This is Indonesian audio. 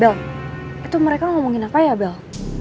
bel itu mereka ngomongin apa ya bel